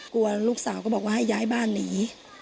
กลัวลูกสาวก็บอกว่าให้ย้ายบ้านหนี